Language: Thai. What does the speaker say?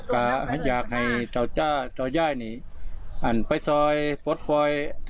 ก็อยากให้เจ้าจ้าเจ้าย่ายนี่หันไปซอยปลดฟอย